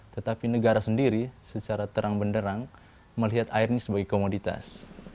tetapi negara sendiri secara terang benderang melihat air ini sebagai komoditas